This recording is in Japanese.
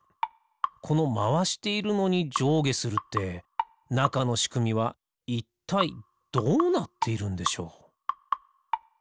このまわしているのにじょうげするってなかのしくみはいったいどうなっているんでしょう？